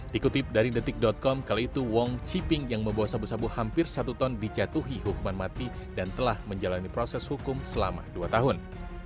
dikutip dari detik com kali itu wong ciping yang membawa sabu sabu hampir satu ton dijatuhi hukuman mati dan telah menjalani proses hukum selama dua tahun